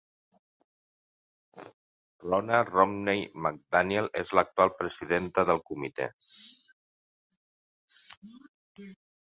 Ronna Romney McDaniel és l'actual presidenta del comitè.